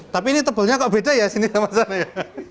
tapi ini tebalnya kok beda ya sini sama saya ya